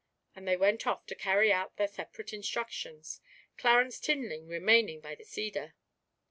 And they went off to carry out their separate instructions, Clarence Tinling remaining by the cedar.